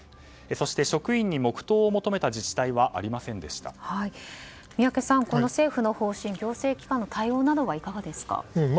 そして職員に黙祷を求めた宮家さん、この政府の方針行政機関の対応などはいかがですか？